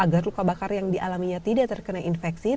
agar luka bakar yang dialaminya tidak terkena infeksi